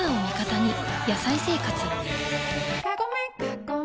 「野菜生活」